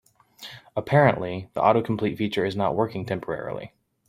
Apparently, the autocomplete feature is not working temporarily.